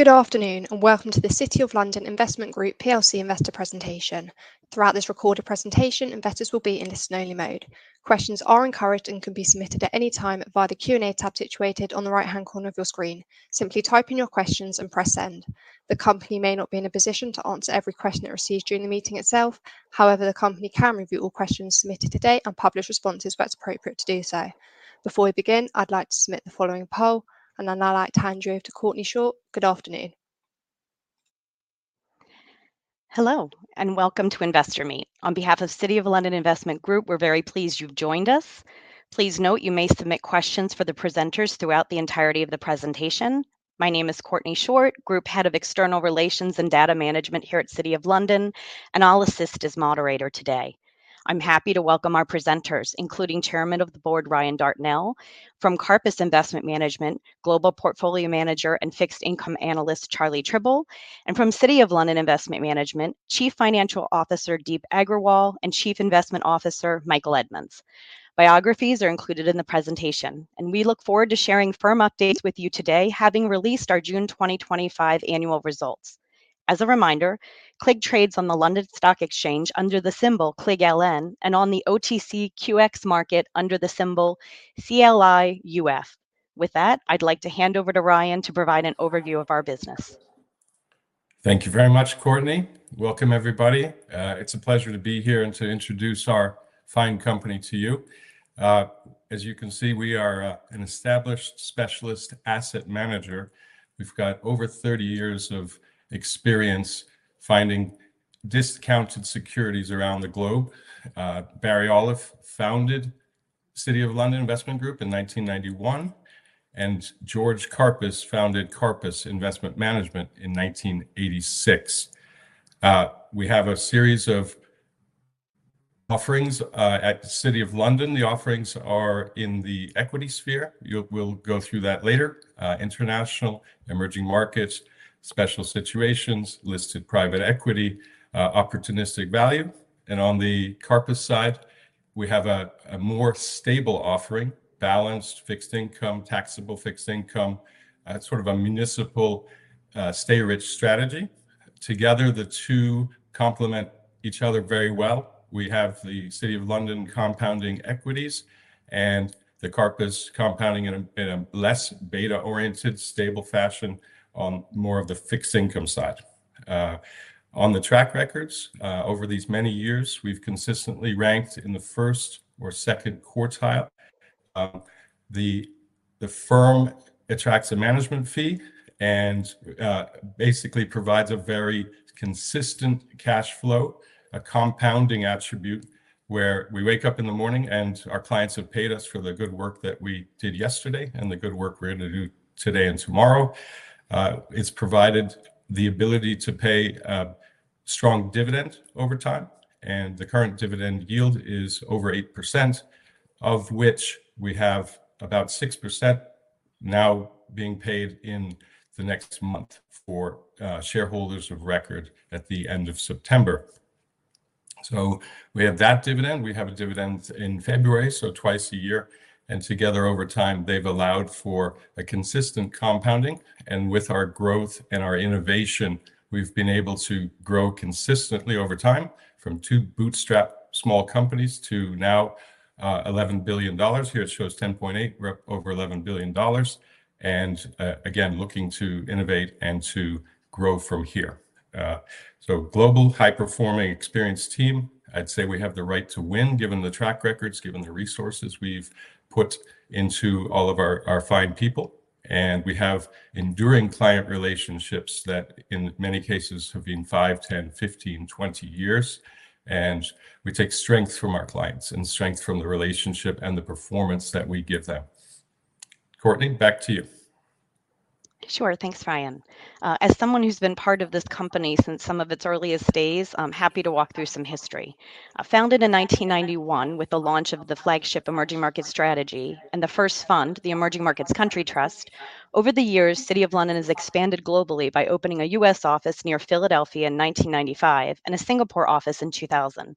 Good afternoon, and welcome to the City of London Investment Group PLC Investor Presentation. Throughout this recorded presentation, investors will be in listen only mode. Questions are encouraged and can be submitted at any time via the Q&A tab situated on the right-hand corner of your screen. Simply type in your questions and press send. The company may not be in a position to answer every question it receives during the meeting itself. However, the company can review all questions submitted today and publish responses where it's appropriate to do so. Before we begin, I'd like to submit the following poll, and I'd now like to hand you over to Courtney Short. Good afternoon. Hello, and welcome to Investor Meet Company. On behalf of City of London Investment Group, we're very pleased you've joined us. Please note you may submit questions for the presenters throughout the entirety of the presentation. My name is Courtney Short, Group Head of External Relations and Data Management here at City of London, and I'll assist as moderator today. I'm happy to welcome our presenters, including Chairman of the Board Rian Dartnell from Karpus Investment Management, Global Portfolio Manager and Fixed Income Analyst Charlie Trible, and from City of London Investment Management, Chief Financial Officer Deepranjan Agrawal, and Chief Investment Officer Michael Edmonds. Biographies are included in the presentation, and we look forward to sharing firm updates with you today, having released our June 2025 annual results. As a reminder, CLIG trades on the London Stock Exchange under the symbol CLIGLN and on the OTCQX market under the symbol CLIUF. With that, I'd like to hand over to Rian to provide an overview of our business. Thank you very much, Courtney. Welcome, everybody. It's a pleasure to be here and to introduce our fine company to you. As you can see, we are an established specialist asset manager. We've got over 30 years of experience finding discounted securities around the globe. Barry Oliff founded City of London Investment Group in 1991, and George Karpus founded Karpus Investment Management in 1986. We have a series of offerings at City of London. The offerings are in the equity sphere. We'll go through that later. International, emerging markets, special situations, listed private equity, opportunistic value. On the Karpus side, we have a more stable offering, balanced fixed income, taxable fixed income, sort of a municipal stay rich strategy. Together, the two complement each other very well. We have the City of London compounding equities and the Karpus compounding in a less beta-oriented, stable fashion on more of the fixed income side. On the track records over these many years, we've consistently ranked in the first or second quartile. The firm attracts a management fee and basically provides a very consistent cash flow, a compounding attribute where we wake up in the morning and our clients have paid us for the good work that we did yesterday and the good work we're going to do today and tomorrow. It's provided the ability to pay a strong dividend over time, and the current dividend yield is over 8%, of which we have about 6% now being paid in the next month for shareholders of record at the end of September. We have that dividend. We have a dividend in February, so twice a year. Together over time, they've allowed for a consistent compounding. With our growth and our innovation, we've been able to grow consistently over time from 2 bootstrap small companies to now $11 billion. Here it shows $10.8 billion, we're up over $11 billion. Again, looking to innovate and to grow from here. So global, high-performing, experienced team. I'd say we have the right to win, given the track records, given the resources we've put into all of our fine people. We have enduring client relationships that in many cases have been 5, 10, 15, 20 years. We take strength from our clients and strength from the relationship and the performance that we give them. Courtney, back to you. Sure. Thanks, Rian. As someone who's been part of this company since some of its earliest days, I'm happy to walk through some history. Founded in 1991 with the launch of the flagship Emerging Market Strategy and the first fund, the Emerging Markets Country Trust, over the years, City of London has expanded globally by opening a U.S. office near Philadelphia in 1995 and a Singapore office in 2000.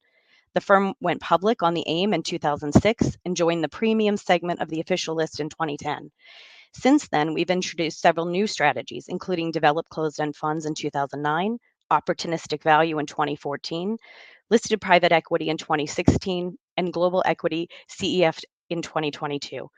The firm went public on the AIM in 2006 and joined the premium segment of the official list in 2010. Since then, we've introduced several new strategies, including Developed Closed-End Funds in 2009, Opportunistic Value in 2014, Listed Private Equity in 2016, and Global Equity CEF in 2022.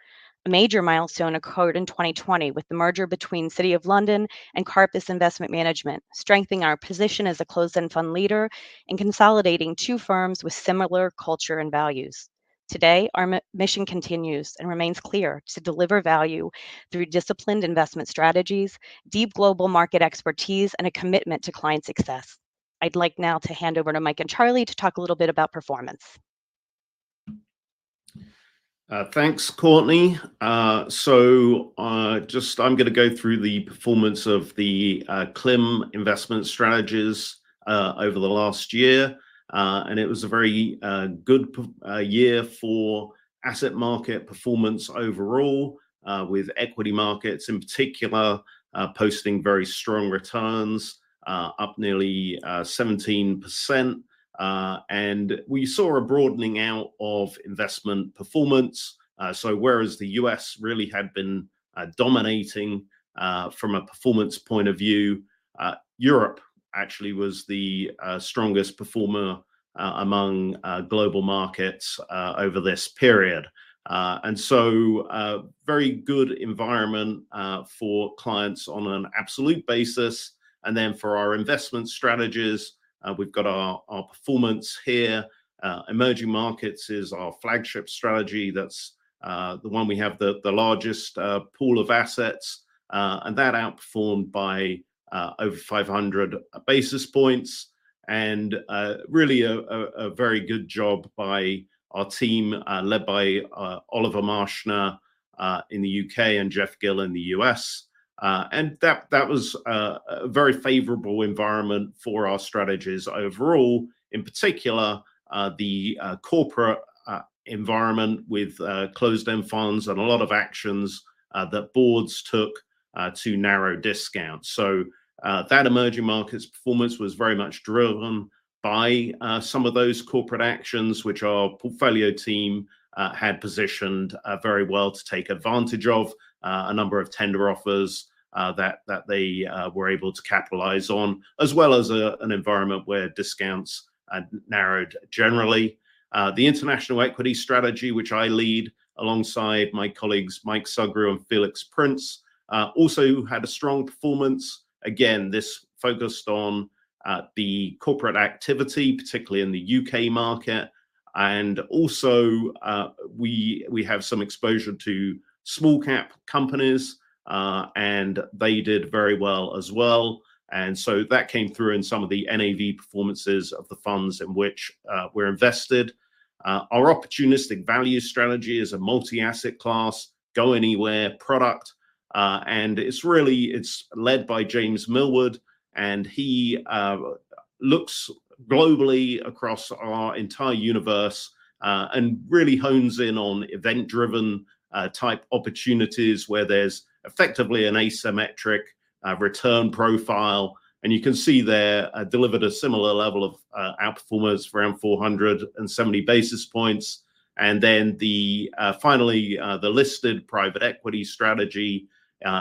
A major milestone occurred in 2020 with the merger between City of London and Karpus Investment Management, strengthening our position as a closed-end fund leader and consolidating two firms with similar culture and values. Today, our mission continues and remains clear to deliver value through disciplined investment strategies, deep global market expertise, and a commitment to client success. I'd like now to hand over to Mike and Charlie to talk a little bit about performance. Thanks, Courtney. Just, I'm gonna go through the performance of the CLIM investment strategies over the last year. It was a very good year for asset market performance overall, with equity markets in particular posting very strong returns up nearly 17%. We saw a broadening out of investment performance. Whereas the U.S. really had been dominating from a performance point of view, Europe actually was the strongest performer among global markets over this period. A very good environment for clients on an absolute basis. For our investment strategies, we've got our performance here. Emerging markets is our flagship strategy. That's the one we have the largest pool of assets and that outperformed by over 500 basis points. Really a very good job by our team led by Oliver Marschner in the U.K. and Jeff Gill in the U.S. That was a very favorable environment for our strategies overall. In particular, the corporate environment with closed-end funds and a lot of actions that boards took to narrow discounts. That emerging markets performance was very much driven by some of those corporate actions, which our portfolio team had positioned very well to take advantage of a number of tender offers that they were able to capitalize on, as well as an environment where discounts narrowed generally. The international equity strategy, which I lead alongside my colleagues Michael Sugrue and Felix Prince, also had a strong performance. Again, this focused on the corporate activity, particularly in the U.K. market, and also, we have some exposure to small cap companies, and they did very well as well. That came through in some of the NAV performances of the funds in which we're invested. Our opportunistic value strategy is a multi-asset class, go anywhere product, and it's led by James Millward, and he looks globally across our entire universe, and really hones in on event-driven type opportunities where there's effectively an asymmetric return profile. You can see there delivered a similar level of outperformance around 470 basis points. Finally, the listed private equity strategy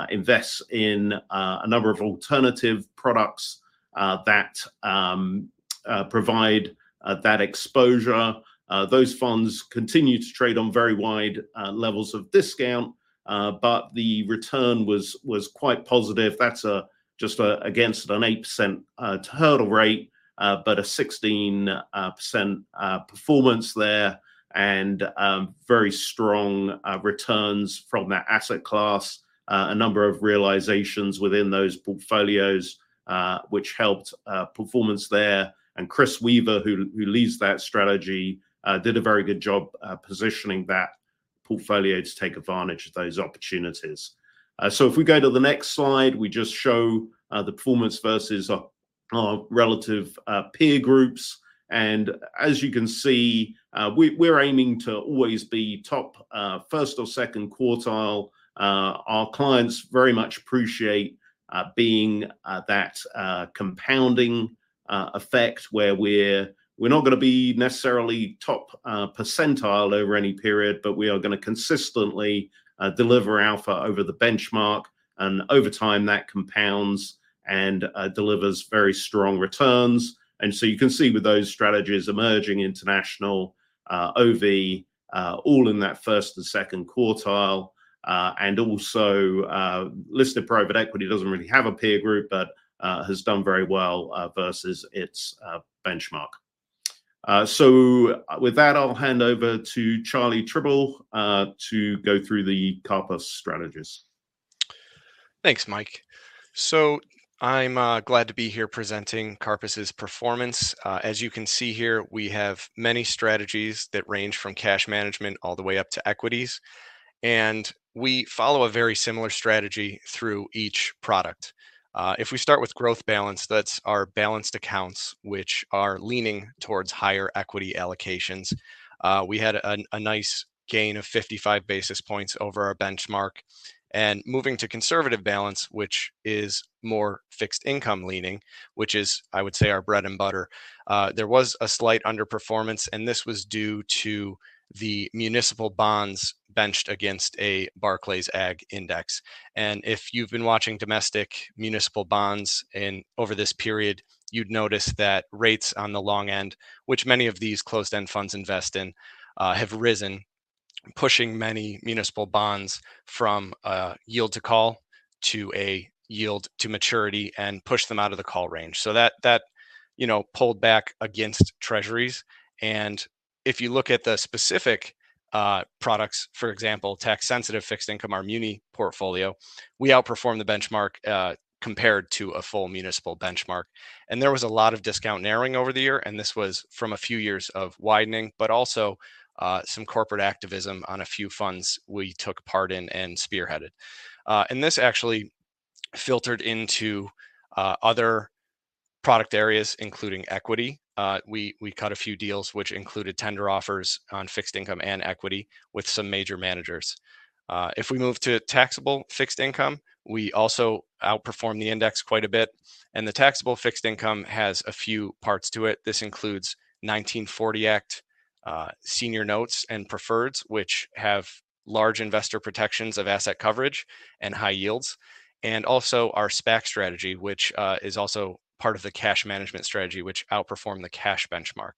invests in a number of alternative products that provide that exposure. Those funds continue to trade on very wide levels of discount, but the return was quite positive. That's just against an 8% hurdle rate, but a 16% performance there and very strong returns from that asset class. A number of realizations within those portfolios, which helped performance there. Chris Weaver, who leads that strategy, did a very good job positioning that portfolio to take advantage of those opportunities. If we go to the next slide, we just show the performance versus our relative peer groups. As you can see, we're aiming to always be top first or second quartile. Our clients very much appreciate being that compounding effect where we're not gonna be necessarily top percentile over any period, but we are gonna consistently deliver alpha over the benchmark. Over time, that compounds and delivers very strong returns. You can see with those strategies, Emerging, International, OV, all in that first and second quartile, and also, Listed Private Equity doesn't really have a peer group, but has done very well versus its benchmark. With that, I'll hand over to Charlie Trible to go through the Karpus strategies. Thanks, Mike. I'm glad to be here presenting Karpus's performance. As you can see here, we have many strategies that range from cash management all the way up to equities, and we follow a very similar strategy through each product. If we start with growth balance, that's our balanced accounts, which are leaning towards higher equity allocations. We had a nice gain of 55 basis points over our benchmark. Moving to conservative balance, which is more fixed income leaning, which is I would say our bread and butter, there was a slight underperformance, and this was due to the municipal bonds benchmarked against a Barclays Agg index. If you've been watching domestic municipal bonds in Over this period, you'd notice that rates on the long end, which many of these closed-end funds invest in, have risen, pushing many municipal bonds from yield to call to a yield to maturity and pushed them out of the call range. That, you know, pulled back against treasuries. If you look at the specific products, for example, Tax-Sensitive Fixed Income, our muni portfolio, we outperformed the benchmark compared to a full municipal benchmark. There was a lot of discount narrowing over the year, and this was from a few years of widening, but also some corporate activism on a few funds we took part in and spearheaded. This actually filtered into other product areas, including equity. We cut a few deals which included tender offers on fixed income and equity with some major managers. If we move to taxable fixed income, we also outperformed the index quite a bit, and the taxable fixed income has a few parts to it. This includes 1940 Act senior notes and preferreds, which have large investor protections of asset coverage and high yields. Also our SPAC strategy, which is also part of the cash management strategy, which outperform the cash benchmark.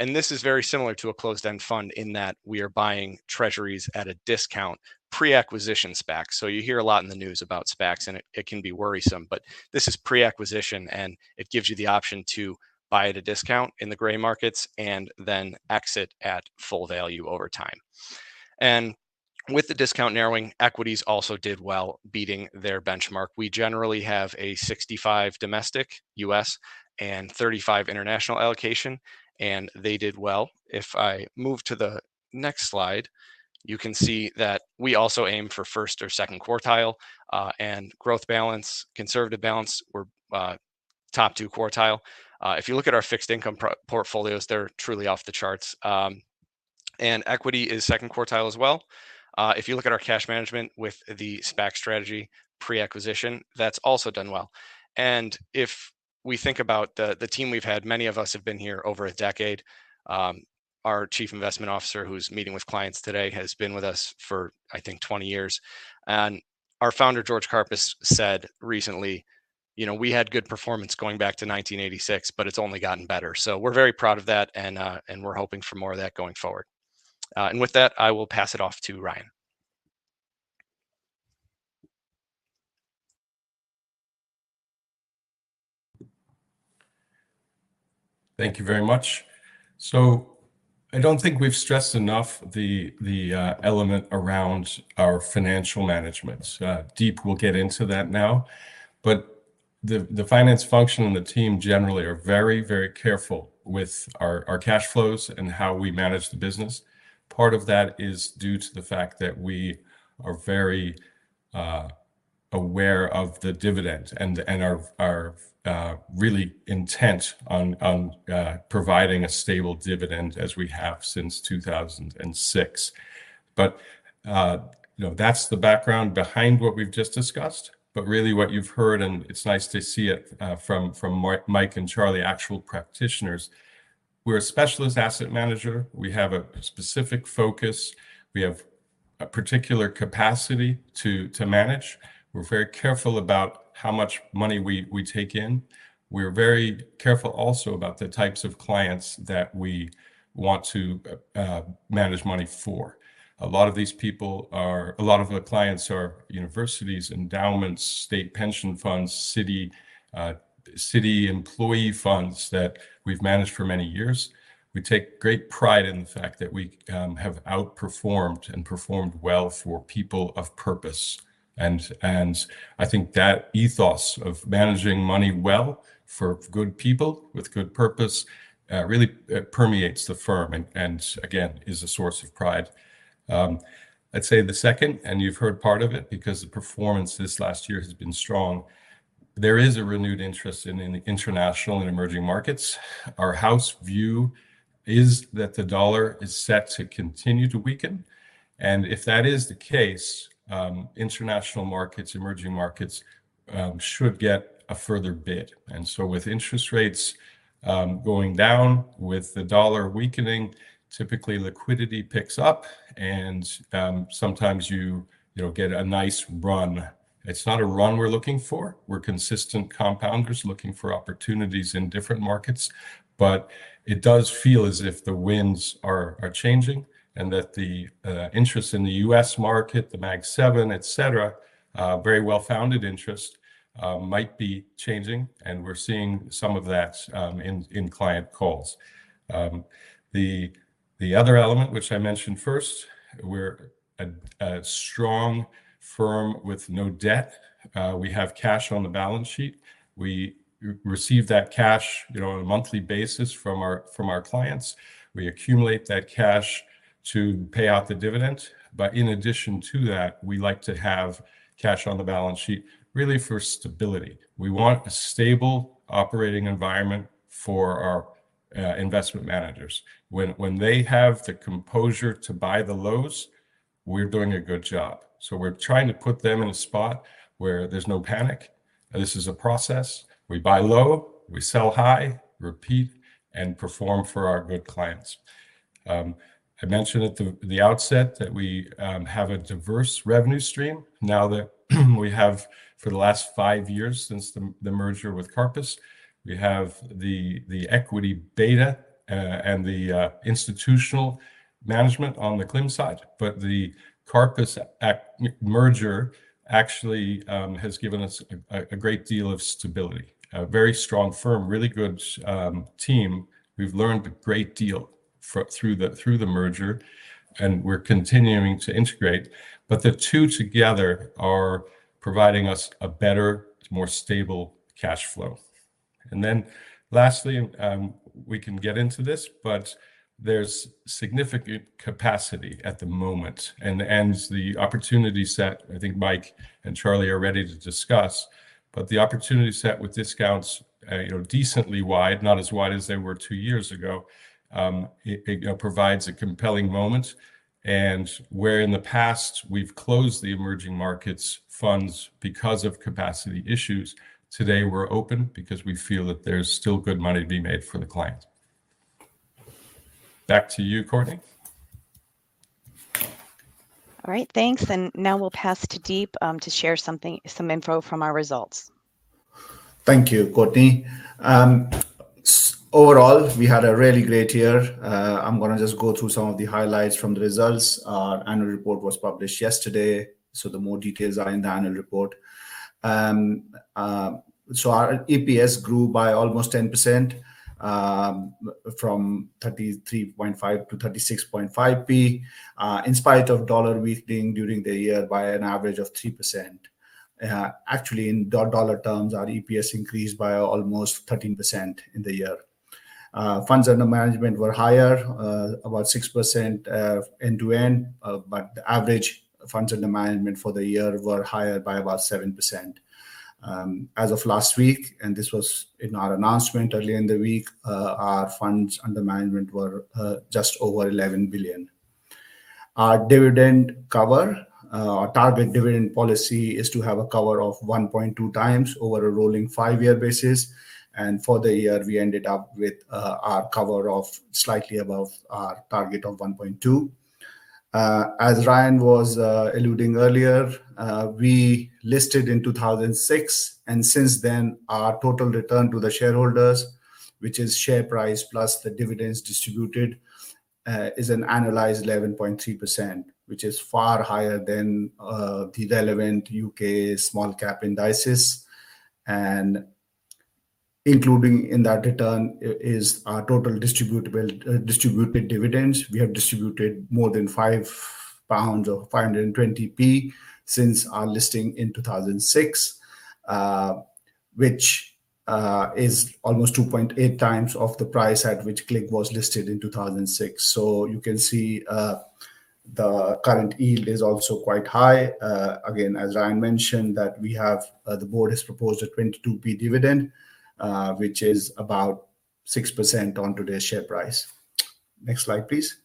This is very similar to a closed-end fund in that we are buying treasuries at a discount pre-acquisition SPAC. You hear a lot in the news about SPACs, and it can be worrisome. This is pre-acquisition, and it gives you the option to buy at a discount in the gray markets and then exit at full value over time. With the discount narrowing, equities also did well, beating their benchmark. We generally have a 65 domestic, U.S., and 35 international allocation, and they did well. If I move to the next slide, you can see that we also aim for first or second quartile. Growth balance, conservative balance were top two quartile. If you look at our fixed income portfolios, they're truly off the charts. Equity is second quartile as well. If you look at our cash management with the SPAC strategy pre-acquisition, that's also done well. If we think about the team we've had, many of us have been here over a decade. Our Chief Investment Officer, who's meeting with clients today, has been with us for, I think, 20 years. Our founder, George Karpus, said recently, you know, "We had good performance going back to 1986, but it's only gotten better." We're very proud of that and we're hoping for more of that going forward. With that, I will pass it off to Rian. Thank you very much. I don't think we've stressed enough the element around our financial management. Deep will get into that now. The finance function and the team generally are very careful with our cash flows and how we manage the business. Part of that is due to the fact that we are very aware of the dividend and are really intent on providing a stable dividend as we have since 2006. You know, that's the background behind what we've just discussed. Really what you've heard, and it's nice to see it from Mike and Charlie, actual practitioners, we're a specialist asset manager. We have a specific focus. We have a particular capacity to manage. We're very careful about how much money we take in. We're very careful also about the types of clients that we want to manage money for. A lot of the clients are universities, endowments, state pension funds, city employee funds that we've managed for many years. We take great pride in the fact that we have outperformed and performed well for people of purpose. I think that ethos of managing money well for good people with good purpose really permeates the firm and again is a source of pride. I'd say the second, and you've heard part of it because the performance this last year has been strong, there is a renewed interest in international and emerging markets. Our house view is that the dollar is set to continue to weaken. If that is the case, international markets, emerging markets, should get a further bid. With interest rates going down, with the dollar weakening, typically liquidity picks up and, sometimes, you know, get a nice run. It's not a run we're looking for. We're consistent compounders looking for opportunities in different markets. It does feel as if the winds are changing and that the interest in the U.S. market, the Magnificent Seven, et cetera, very well-founded interest, might be changing, and we're seeing some of that in client calls. The other element which I mentioned first, we're a strong firm with no debt. We have cash on the balance sheet. We receive that cash, you know, on a monthly basis from our clients. We accumulate that cash to pay out the dividend. In addition to that, we like to have cash on the balance sheet really for stability. We want a stable operating environment for our investment managers. When they have the composure to buy the lows, we're doing a good job. We're trying to put them in a spot where there's no panic. This is a process. We buy low, we sell high, repeat, and perform for our good clients. I mentioned at the outset that we have a diverse revenue stream now that we have for the last five years since the merger with Karpus. We have the equity beta and the institutional management on the CLIM side. The Karpus merger actually has given us a great deal of stability. A very strong firm, really good team. We've learned a great deal through the merger, and we're continuing to integrate. The two together are providing us a better, more stable cash flow. We can get into this, but there's significant capacity at the moment. The opportunity set, I think Mike and Charlie are ready to discuss. The opportunity set with discounts, you know, decently wide, not as wide as they were two years ago, it, you know, provides a compelling moment. Where in the past we've closed the emerging markets funds because of capacity issues, today we're open because we feel that there's still good money to be made for the client. Back to you, Courtney. All right, thanks. Now we'll pass to Deep to share some info from our results. Thank you, Courtney. Overall, we had a really great year. I'm gonna just go through some of the highlights from the results. Our annual report was published yesterday. More details are in the annual report. Our EPS grew by almost 10%, from 33.5p to 36.5p, in spite of dollar weakening during the year by an average of 3%. Actually, in dollar terms, our EPS increased by almost 13% in the year. Funds under management were higher, about 6% end-to-end, but the average funds under management for the year were higher by about 7%. As of last week, and this was in our announcement earlier in the week, our funds under management were just over $11 billion. Our dividend cover, our target dividend policy is to have a cover of 1.2 times over a rolling 5-year basis. For the year, we ended up with our cover of slightly above our target of 1.2. As Rian was alluding earlier, we listed in 2006, and since then, our total return to the shareholders, which is share price plus the dividends distributed, is an annualized 11.3%, which is far higher than the relevant U.K. small cap indices. Including in that return is our total distributable distributed dividends. We have distributed more than 5 pounds or 520p since our listing in 2006, which is almost 2.8 times of the price at which CLIG was listed in 2006. You can see the current yield is also quite high. Again, as Rian mentioned, the board has proposed a 22p dividend, which is about 6% on today's share price. Next slide, please.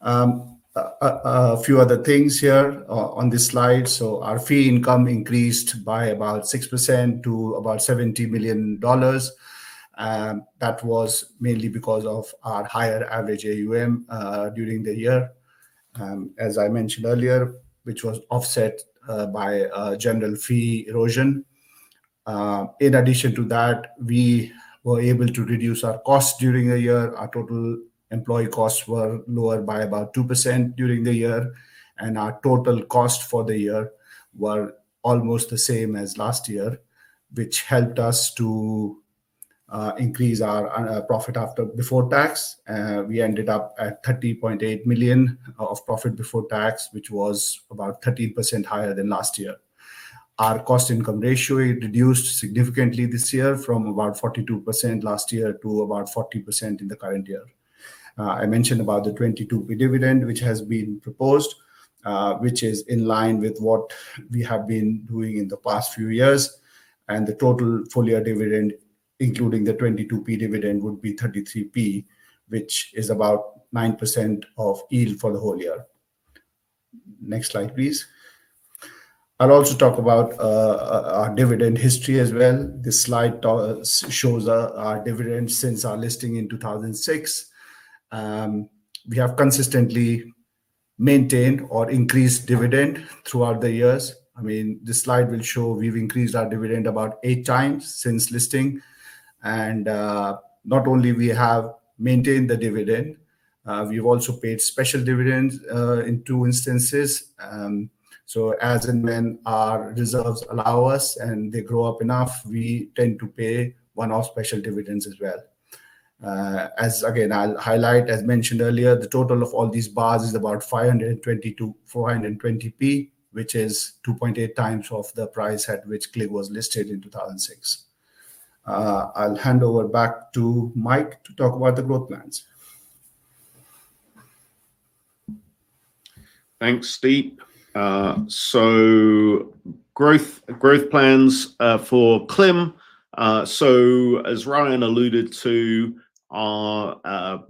A few other things here on this slide. Our fee income increased by about 6% to about $70 million. That was mainly because of our higher average AUM during the year, as I mentioned earlier, which was offset by general fee erosion. In addition to that, we were able to reduce our costs during the year. Our total employee costs were lower by about 2% during the year, and our total costs for the year were almost the same as last year, which helped us to increase our profit before tax. We ended up at 30.8 million of profit before tax, which was about 13% higher than last year. Our cost income ratio reduced significantly this year from about 42% last year to about 40% in the current year. I mentioned about the 22p dividend, which has been proposed, which is in line with what we have been doing in the past few years. The total full-year dividend, including the 22p dividend, would be 33p, which is about 9% yield for the whole year. Next slide, please. I'll also talk about our dividend history as well. This slide shows our dividends since our listing in 2006. We have consistently maintained or increased dividend throughout the years. I mean, this slide will show we've increased our dividend about eight times since listing. not only we have maintained the dividend, we've also paid special dividends in two instances. as and when our reserves allow us and they grow up enough, we tend to pay one-off special dividends as well. as again, I'll highlight, as mentioned earlier, the total of all these bars is about 520-420p, which is 2.8 times of the price at which CLIG was listed in 2006. I'll hand over back to Mike to talk about the growth plans. Thanks, Deep. Growth plans for CLIM. As Rian alluded to, our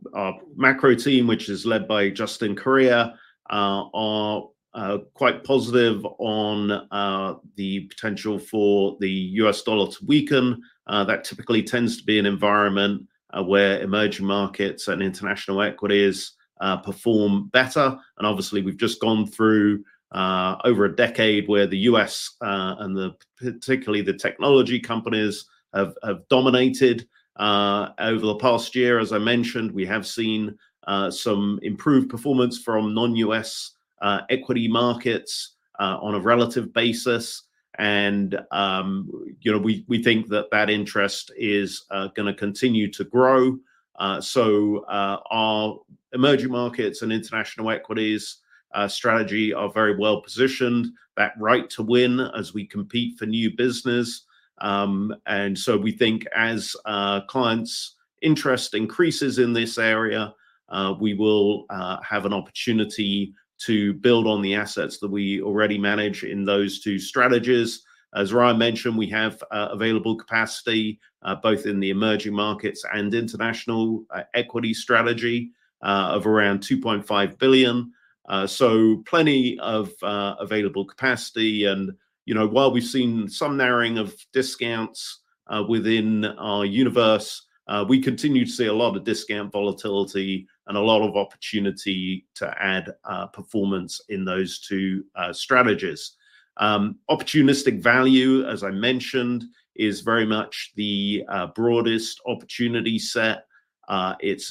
macro team, which is led by Justin Kariya, are quite positive on the potential for the U.S. dollar to weaken. That typically tends to be an environment where emerging markets and international equities perform better. Obviously, we've just gone through over a decade where the U.S. and particularly the technology companies have dominated. Over the past year, as I mentioned, we have seen some improved performance from non-U.S. equity markets on a relative basis. You know, we think that interest is gonna continue to grow. Our emerging markets and international equities strategy are very well-positioned, poised to win as we compete for new business. We think as clients' interest increases in this area, we will have an opportunity to build on the assets that we already manage in those two strategies. As Rian mentioned, we have available capacity both in the emerging markets and international equity strategy of around 2.5 billion. Plenty of available capacity. You know, while we've seen some narrowing of discounts within our universe, we continue to see a lot of discount volatility and a lot of opportunity to add performance in those two strategies. Opportunistic value, as I mentioned, is very much the broadest opportunity set. It's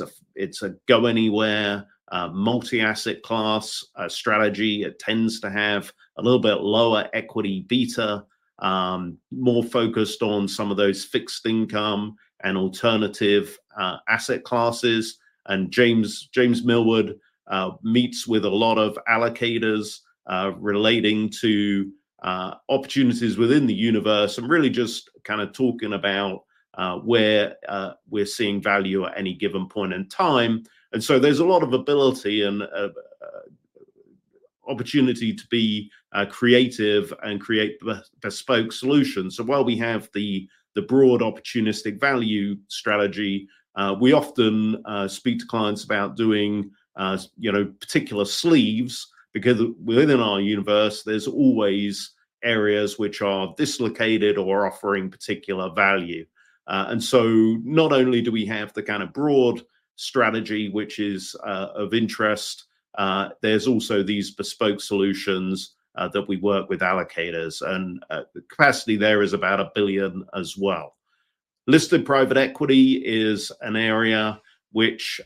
a go-anywhere, multi-asset class strategy. It tends to have a little bit lower equity beta, more focused on some of those fixed income and alternative asset classes. James Millward meets with a lot of allocators relating to opportunities within the universe and really just kind of talking about where we're seeing value at any given point in time. There's a lot of ability and opportunity to be creative and create bespoke solutions. While we have the broad opportunistic value strategy, we often speak to clients about doing you know particular sleeves because within our universe there's always areas which are dislocated or offering particular value. Not only do we have the kind of broad strategy which is of interest, there's also these bespoke solutions that we work with allocators. The capacity there is about $1 billion as well. Listed private equity is an area that's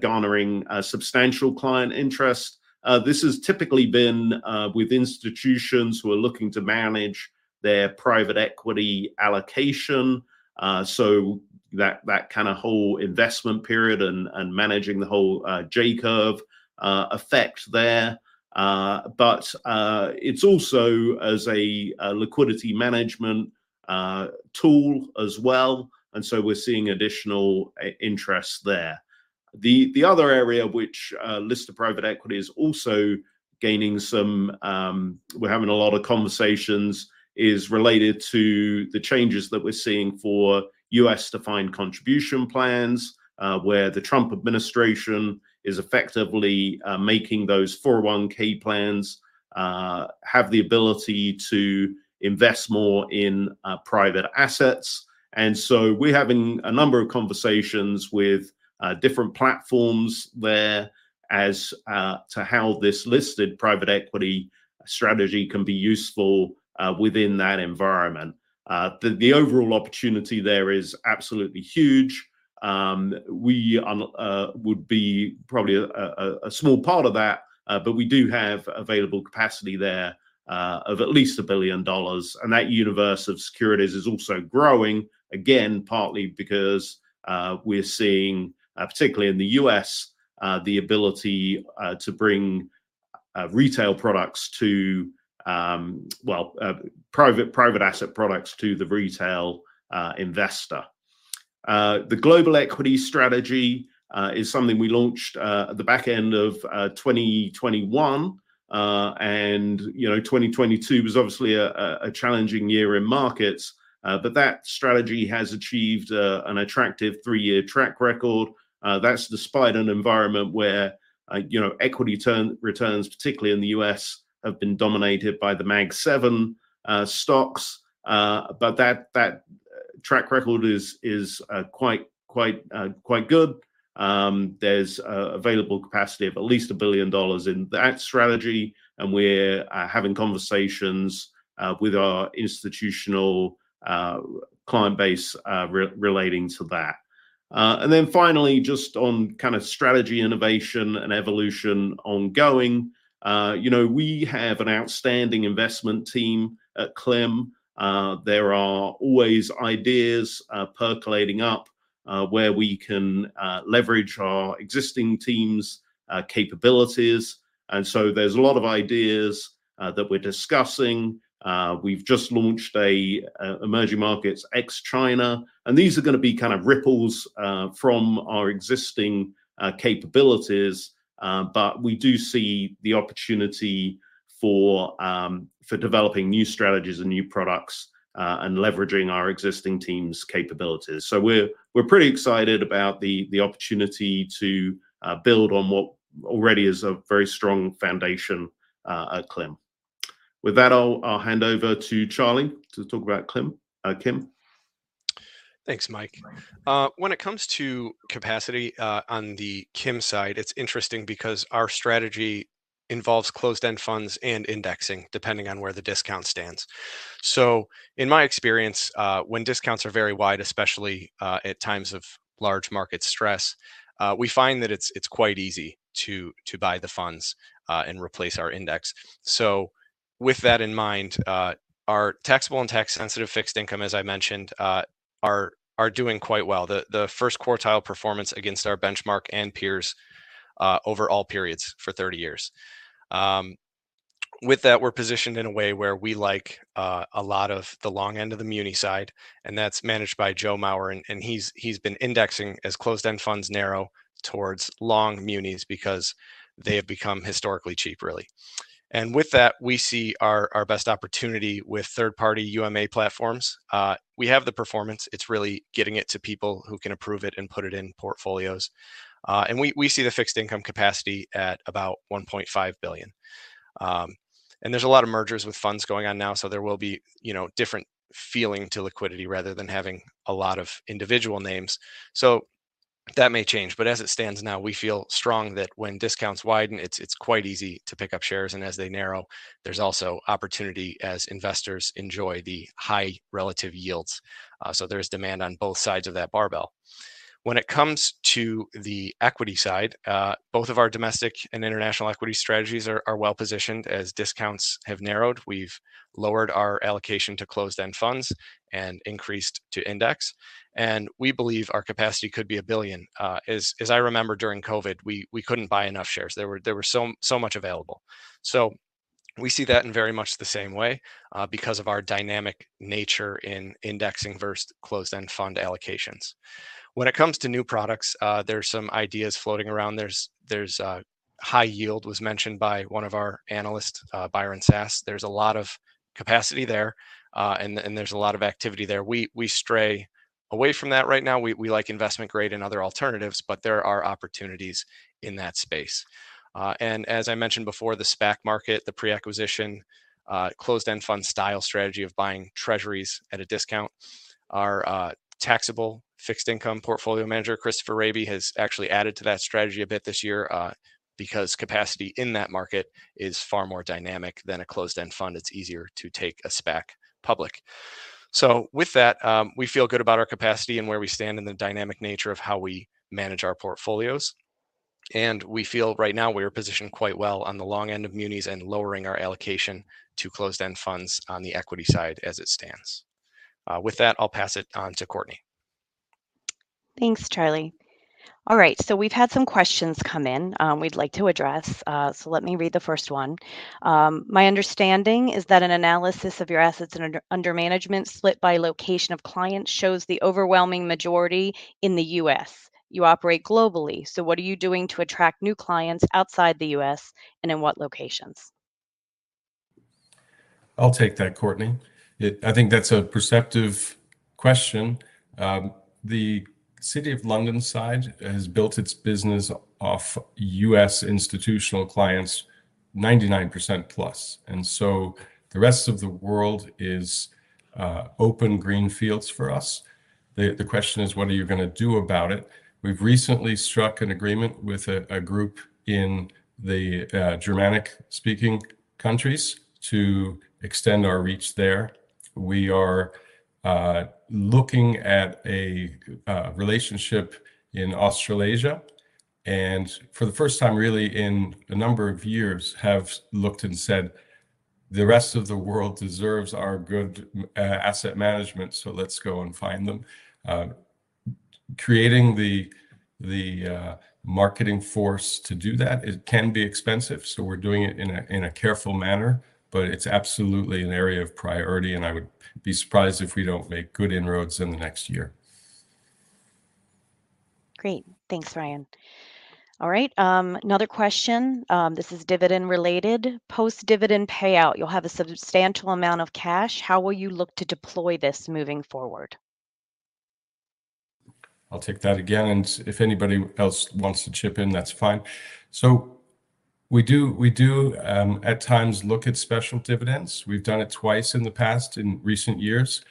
garnering substantial client interest. This has typically been with institutions who are looking to manage their private equity allocation, so that kind of whole investment period and managing the whole J-curve effect there. But it's also as a liquidity management tool as well, and so we're seeing additional interest there. The other area which listed private equity is also gaining some We're having a lot of conversations is related to the changes that we're seeing for U.S.-defined contribution plans, where the Trump administration is effectively making those 401 plans have the ability to invest more in private assets. We're having a number of conversations with different platforms there as to how this listed private equity strategy can be useful within that environment. The overall opportunity there is absolutely huge. We would be probably a small part of that, but we do have available capacity there of at least $1 billion. That universe of securities is also growing, again, partly because we're seeing, particularly in the U.S., the ability to bring private asset products to the retail investor. The global equity strategy is something we launched at the back end of 2021. You know, 2022 was obviously a challenging year in markets, but that strategy has achieved an attractive three-year track record. That's despite an environment where you know, equity returns, particularly in the U.S., have been dominated by the MagSeven stocks. But that track record is quite good. There's available capacity of at least $1 billion in that strategy, and we're having conversations with our institutional client base relating to that. Then finally, just on kind of strategy innovation and evolution ongoing, you know, we have an outstanding investment team at CLIM. There are always ideas percolating up where we can leverage our existing team's capabilities, and so there's a lot of ideas that we're discussing. We've just launched an emerging markets ex-China, and these are gonna be kind of ripples from our existing capabilities, but we do see the opportunity for developing new strategies and new products and leveraging our existing team's capabilities. We're pretty excited about the opportunity to build on what already is a very strong foundation at KIM. With that, I'll hand over to Charlie to talk about KIM. Thanks, Mike. When it comes to capacity, on the KIM side, it's interesting because our strategy involves closed-end funds and indexing, depending on where the discount stands. In my experience, when discounts are very wide, especially at times of large market stress, we find that it's quite easy to buy the funds and replace our index. With that in mind, our taxable and tax-sensitive fixed income, as I mentioned, are doing quite well. The first quartile performance against our benchmark and peers over all periods for 30 years. With that, we're positioned in a way where we like a lot of the long end of the muni side, and that's managed by Joe Maurer, and he's been indexing as closed-end funds narrow towards long munis because they have become historically cheap, really. With that, we see our best opportunity with third-party UMA platforms. We have the performance. It's really getting it to people who can approve it and put it in portfolios. We see the fixed income capacity at about $1.5 billion. There's a lot of mergers with funds going on now, so there will be, you know, different feeling to liquidity rather than having a lot of individual names. That may change, but as it stands now, we feel strong that when discounts widen, it's quite easy to pick up shares, and as they narrow, there's also opportunity as investors enjoy the high relative yields. There's demand on both sides of that barbell. When it comes to the equity side, both of our domestic and international equity strategies are well-positioned. As discounts have narrowed, we've lowered our allocation to closed-end funds and increased to index. We believe our capacity could be $1 billion. As I remember during COVID, we couldn't buy enough shares. There were so much available. We see that in very much the same way, because of our dynamic nature in indexing versus closed-end fund allocations. When it comes to new products, there's some ideas floating around. High yield was mentioned by one of our analysts, Byron Sass. There's a lot of capacity there, and there's a lot of activity there. We stray away from that right now. We like investment grade and other alternatives, but there are opportunities in that space. As I mentioned before, the SPAC market, the pre-acquisition, closed-end fund style strategy of buying treasuries at a discount. Our taxable fixed income portfolio manager, Christopher Rabe, has actually added to that strategy a bit this year, because capacity in that market is far more dynamic than a closed-end fund. It's easier to take a SPAC public. With that, we feel good about our capacity and where we stand in the dynamic nature of how we manage our portfolios, and we feel right now we are positioned quite well on the long end of munis and lowering our allocation to closed-end funds on the equity side as it stands. With that, I'll pass it on to Courtney. Thanks, Charlie. All right, we've had some questions come in, we'd like to address. Let me read the first one. My understanding is that an analysis of your assets under management split by location of clients shows the overwhelming majority in the U.S. You operate globally. What are you doing to attract new clients outside the U.S., and in what locations? I'll take that, Courtney. I think that's a perceptive question. The City of London side has built its business off U.S. institutional clients 99% plus, the rest of the world is open green fields for us. The question is, what are you gonna do about it? We've recently struck an agreement with a group in the Germanic-speaking countries to extend our reach there. We are looking at a relationship in Australasia, and for the first time really in a number of years, have looked and said, "The rest of the world deserves our good asset management, so let's go and find them." Creating the marketing force to do that, it can be expensive, so we're doing it in a careful manner, but it's absolutely an area of priority, and I would be surprised if we don't make good inroads in the next year. Great. Thanks, Rian. All right, another question. This is dividend related. Post-dividend payout, you'll have a substantial amount of cash. How will you look to deploy this moving forward? I'll take that again, and if anybody else wants to chip in, that's fine. We do at times look at special dividends. We've done it twice in the past, in recent years.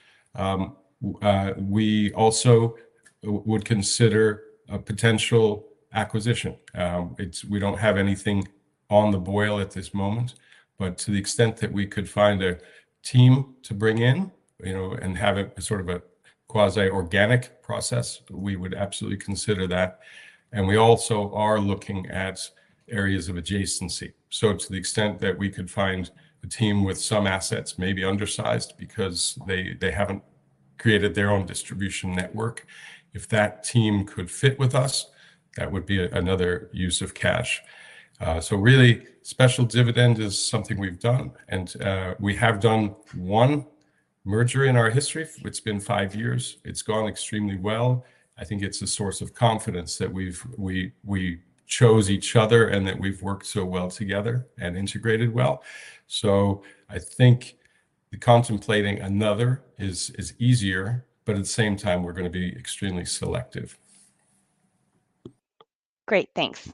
We also would consider a potential acquisition. We don't have anything on the boil at this moment, but to the extent that we could find a team to bring in, you know, and have a sort of a quasi-organic process, we would absolutely consider that. We also are looking at areas of adjacency. To the extent that we could find a team with some assets, maybe undersized because they haven't created their own distribution network, if that team could fit with us, that would be another use of cash. Really, special dividend is something we've done, and we have done one merger in our history. It's been five years. It's gone extremely well. I think it's a source of confidence that we chose each other and that we've worked so well together and integrated well. I think contemplating another is easier, but at the same time, we're gonna be extremely selective. Great. Thanks.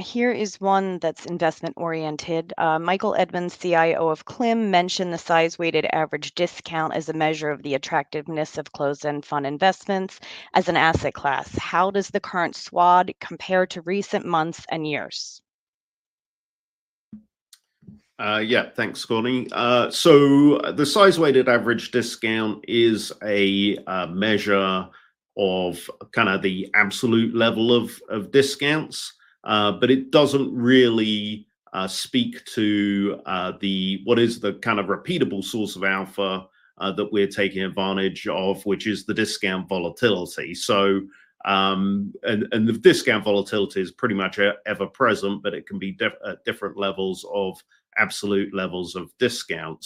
Here is one that's investment oriented. Michael Edmonds, CIO of CLIM, mentioned the size-weighted average discount as a measure of the attractiveness of closed-end fund investments as an asset class. How does the current SWAD compare to recent months and years? Yeah. Thanks, Courtney. The size-weighted average discount is a measure of kinda the absolute level of discounts, but it doesn't really speak to what is the kind of repeatable source of alpha that we're taking advantage of, which is the discount volatility. And the discount volatility is pretty much ever-present, but it can be at different levels of absolute levels of discount.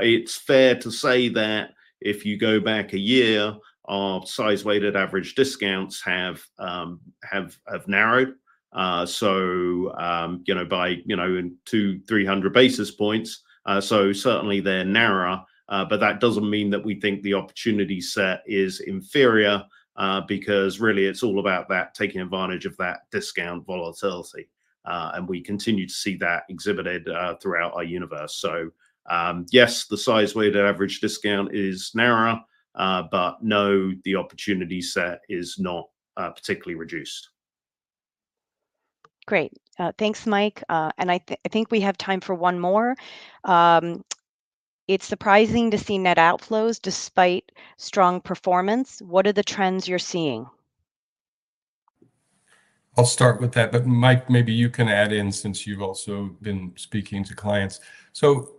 It's fair to say that if you go back a year, our size-weighted average discounts have narrowed, so you know by 200-300 basis points. Certainly they're narrower, but that doesn't mean that we think the opportunity set is inferior, because really it's all about taking advantage of that discount volatility. We continue to see that exhibited throughout our universe. Yes, the size-weighted average discount is narrower, but no, the opportunity set is not particularly reduced. Great. Thanks, Mike. I think we have time for one more. It's surprising to see net outflows despite strong performance. What are the trends you're seeing? I'll start with that, but Mike, maybe you can add in since you've also been speaking to clients.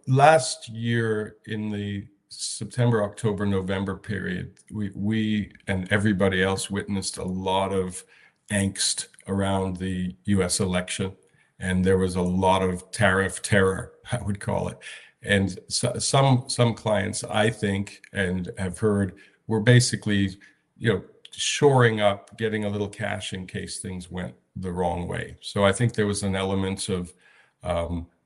Last year in the September, October, November period, we and everybody else witnessed a lot of angst around the U.S. election, and there was a lot of tariff terror, I would call it. Some clients I think and have heard were basically, you know, shoring up, getting a little cash in case things went the wrong way. I think there was an element of,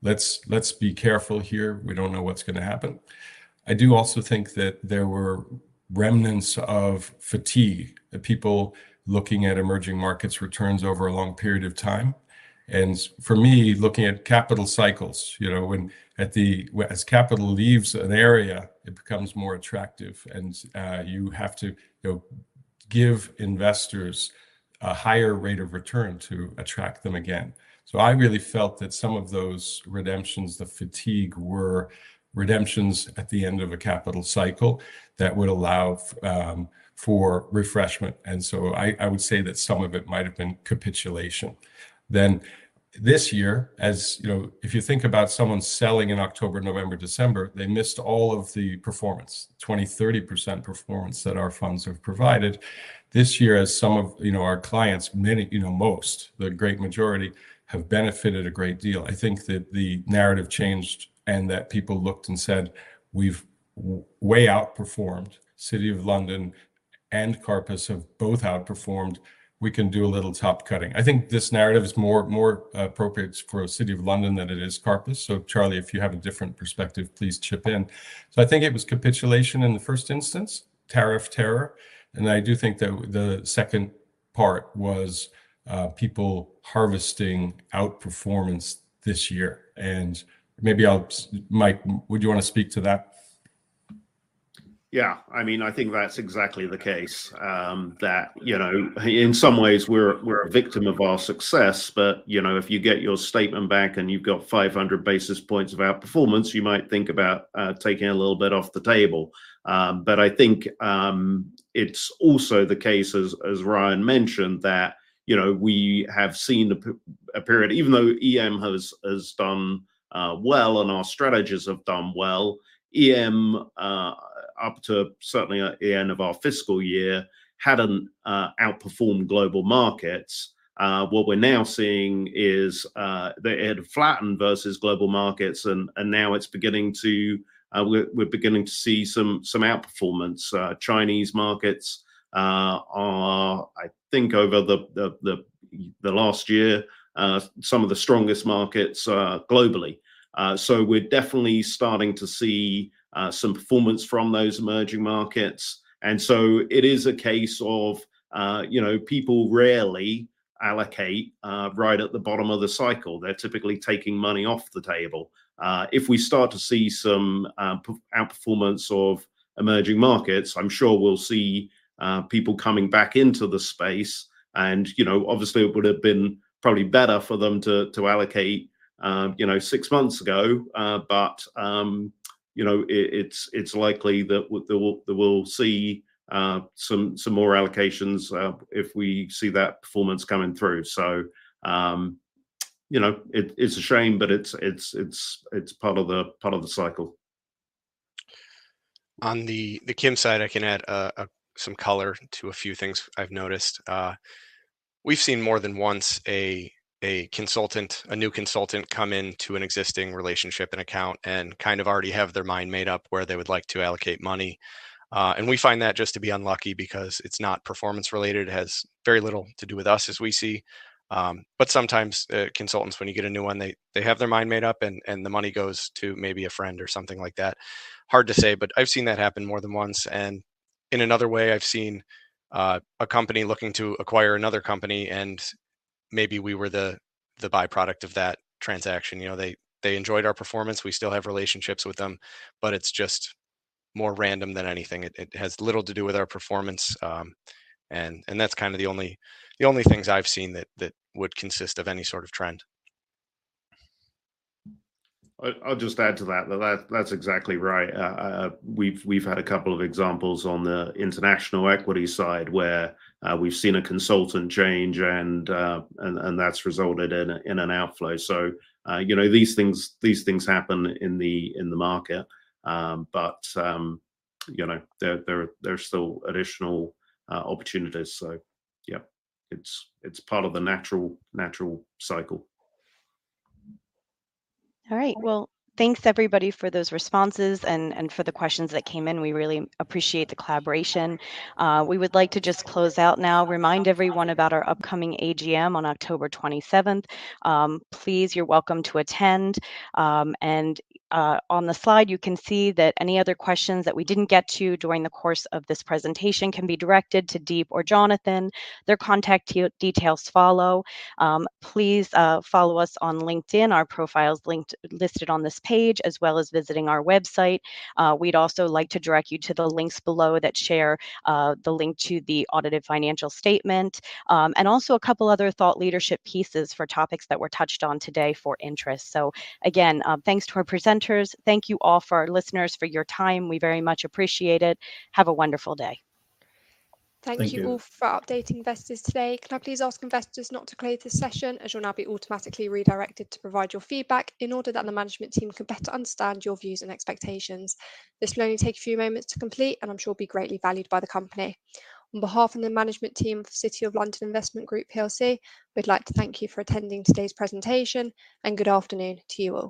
let's be careful here. We don't know what's gonna happen. I do also think that there were remnants of fatigue, the people looking at emerging markets returns over a long period of time. For me, looking at capital cycles, you know, when, at the... As capital leaves an area, it becomes more attractive and you have to, you know, give investors a higher rate of return to attract them again. I really felt that some of those redemptions, the fatigue, were redemptions at the end of a capital cycle that would allow for refreshment. I would say that some of it might have been capitulation. This year, as you know, if you think about someone selling in October, November, December, they missed all of the performance, 20%-30% performance that our funds have provided. This year as some of, you know, our clients, many, you know, most, the great majority have benefited a great deal. I think that the narrative changed and that people looked and said, "We've way outperformed. City of London and Karpus have both outperformed. We can do a little top cutting. I think this narrative is more appropriate for City of London than it is Karpus. Charlie, if you have a different perspective, please chip in. I think it was capitulation in the first instance, tariff terror, and I do think that the second part was people harvesting outperformance this year. Maybe I'll Mike, would you wanna speak to that? Yeah. I mean, I think that's exactly the case that you know in some ways we're a victim of our success, but you know if you get your statement back and you've got 500 basis points of outperformance, you might think about taking a little bit off the table. But I think it's also the case as Rian mentioned that you know we have seen a period even though EM has done well and our strategies have done well, EM up to certainly the end of our fiscal year hadn't outperformed global markets. What we're now seeing is they had flattened versus global markets and now we're beginning to see some outperformance. Chinese markets are, I think, over the last year, some of the strongest markets globally. We're definitely starting to see some performance from those emerging markets. It is a case of, you know, people rarely allocate right at the bottom of the cycle. They're typically taking money off the table. If we start to see some outperformance of emerging markets, I'm sure we'll see people coming back into the space and, you know, obviously it would have been probably better for them to allocate, you know, six months ago. You know, it's likely that we'll see some more allocations if we see that performance coming through. You know, it's a shame, but it's part of the cycle. On the KIM side, I can add some color to a few things I've noticed. We've seen more than once a consultant, a new consultant come into an existing relationship and account and kind of already have their mind made up where they would like to allocate money. We find that just to be unlucky because it's not performance related. It has very little to do with us as we see. Sometimes, consultants, when you get a new one, they have their mind made up and the money goes to maybe a friend or something like that. Hard to say, but I've seen that happen more than once. In another way I've seen a company looking to acquire another company, and maybe we were the byproduct of that transaction. You know, they enjoyed our performance. We still have relationships with them, but it's just more random than anything. It has little to do with our performance, and that's kind of the only things I've seen that would consist of any sort of trend. I'll just add to that. That's exactly right. We've had a couple of examples on the international equity side where we've seen a consultant change and that's resulted in an outflow. You know, these things happen in the market. You know, there's still additional opportunities. Yeah, it's part of the natural cycle. All right. Well, thanks everybody for those responses and for the questions that came in. We really appreciate the collaboration. We would like to just close out now, remind everyone about our upcoming AGM on October 27. Please, you're welcome to attend. On the slide you can see that any other questions that we didn't get to during the course of this presentation can be directed to Deep or Jonathan. Their contact details follow. Please, follow us on LinkedIn, our profile's linked, listed on this page, as well as visiting our website. We'd also like to direct you to the links below that share the link to the audited financial statement, and also a couple other thought leadership pieces for topics that were touched on today for interest. Again, thanks to our presenters. Thank you all for our listeners for your time. We very much appreciate it. Have a wonderful day. Thank you. Thank you all for updating investors today. Can I please ask investors not to close this session, as you'll now be automatically redirected to provide your feedback in order that the management team can better understand your views and expectations. This will only take a few moments to complete, and I'm sure will be greatly valued by the company. On behalf of the management team for City of London Investment Group PLC, we'd like to thank you for attending today's presentation, and good afternoon to you all.